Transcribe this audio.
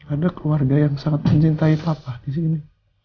ada keluarga yang sangat mencintai papa disini